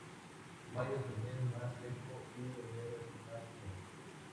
Mayo es el mes más seco, y enero es el más húmedo.